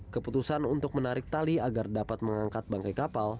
keputusan untuk menarik tali agar dapat mengangkat bangkai kapal